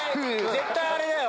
絶対あれだよ！